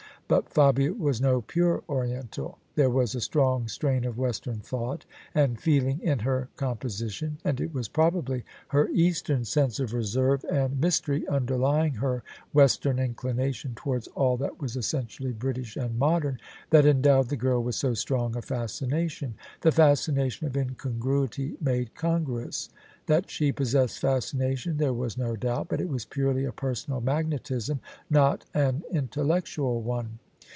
But Fabia was no pure Oriental : there was a strong strain of Western thought and feeling in her compo sition : and it was probably her Eastern sense of reserve and mystery underlying her Western inclination towards all that was essentially British and modern, that endowed the girl with so strong a fascination: the fascination of incongruity made congruous. That she possessed fascination there was no doubt: but it was purely a personal magnetism, not an intellectual one.